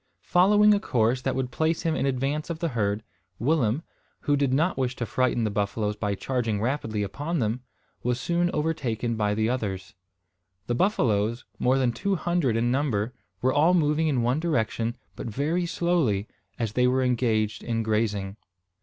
Following a course that would place him in advance of the herd, Willem, who did not wish to frighten the buffaloes by charging rapidly upon them, was soon overtaken by the others. The buffaloes more than two hundred in number were all moving in one direction, but very slowly, as they were engaged in grazing.